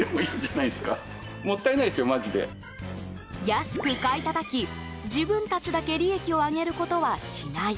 安く買いたたき、自分たちだけ利益を上げることはしない。